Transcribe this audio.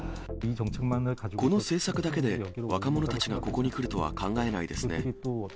この政策だけで、若者たちがここに来るとは考えないですね。